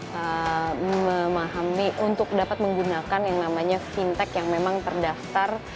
kita memahami untuk dapat menggunakan yang namanya fintech yang memang terdaftar